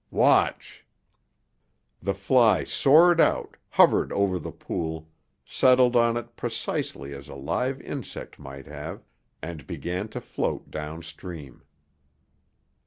"Watch." The fly soared out, hovered over the pool, settled on it precisely as a live insect might have, and began to float downstream.